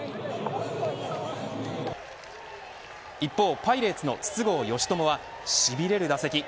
一方、パイレーツの筒香嘉智はしびれる打席。